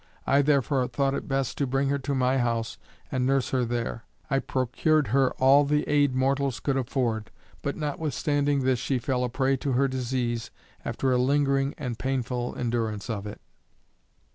I therefore thought it best to bring her to my house and nurse her there. I procured her all the aid mortals could afford, but notwithstanding this she fell a prey to her disease, after a lingering and painful endurance of it.